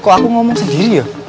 kok aku ngomong sendiri ya